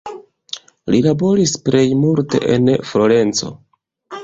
Li laboris plej multe en Florenco.